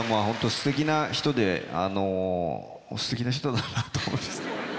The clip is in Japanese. すてきな人ですてきな人だなと思います。